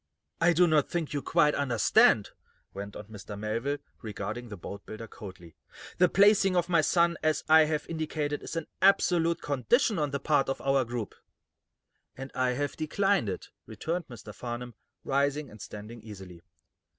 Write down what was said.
"I do not think you quite understand," went on Mr. Melville, regarding the boatbuilder coldly. "The placing of my son as I have indicated is an absolute condition on the part of our group." "And I have declined it," returned Mr. Farnum rising, and standing easily.